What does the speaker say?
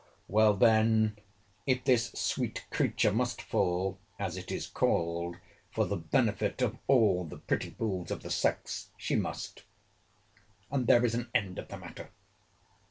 Well, then, if this sweet creature must fall, as it is called, for the benefit of all the pretty fools of the sex, she must; and there's an end of the matter.